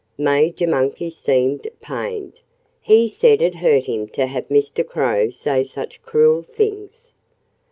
Major Monkey seemed pained. He said it hurt him to have Mr. Crow say such cruel things.